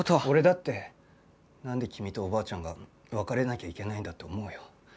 俺だってなんで君とおばあちゃんが別れなきゃいけないんだって思うよ。